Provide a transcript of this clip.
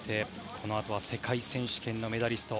このあとは世界選手権のメダリスト